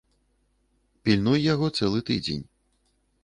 Пільнуй яго цэлы тыдзень.